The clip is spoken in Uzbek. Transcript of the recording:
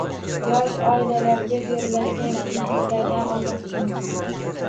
Yosh oilalarga beriladigan kreditlardan olmoqchimiz.